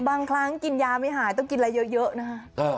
บางครั้งกินยาไม่หายต้องกินอะไรเยอะนะคะ